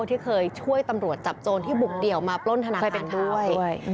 ที่เคยช่วยตำรวจจับโจรที่บุกเดี่ยวมาปล้นธนาคารด้วย